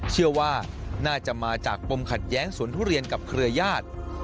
เชื่อว่าน่าจะมาจากปมขัดแย้งสวนทุเรียนกับเครือญาติ